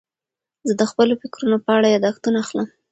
زه د خپلو فکرونو په اړه یاداښتونه اخلم.